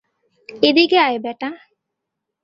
এদিকে আয়, ব্যাটা।